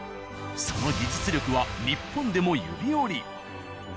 その技術力は日本でも指折り。